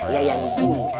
ya yang ini